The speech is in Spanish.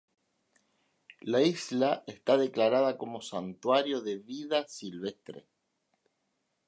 La isla está declarada como Santuario de vida silvestre.